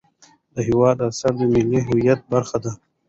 د هېواد اثار د ملي هویت برخه ده.